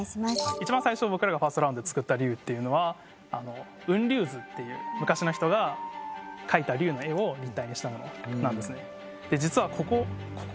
一番最初僕らがファーストラウンドで作った龍っていうのは雲龍図っていう昔の人が描いた龍の絵を立体にしたものなんですね